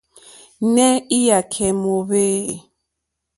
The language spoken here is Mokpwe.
Nɛh Iyakɛ mɔhvɛ eeh?